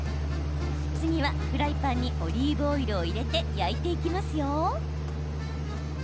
次はフライパンにオリーブオイルを入れて焼いていきますよ。